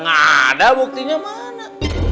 ada buktinya mana